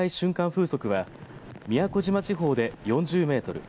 風速は宮古島地方で４０メートル